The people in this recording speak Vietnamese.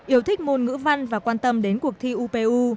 yêu thích môn ngữ văn và quan tâm đến cuộc thi upu